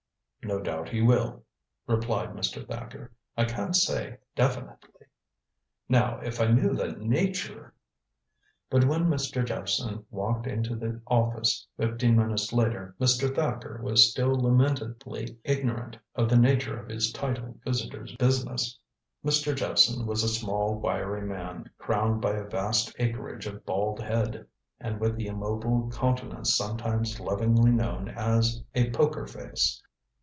"No doubt he will," replied Mr. Thacker. "I can't say definitely. Now, if I knew the nature " But when Mr. Jephson walked into the office fifteen minutes later Mr. Thacker was still lamentably ignorant of the nature of his titled visitor's business. Mr. Jephson was a small wiry man, crowned by a vast acreage of bald head, and with the immobile countenance sometimes lovingly known as a "poker face."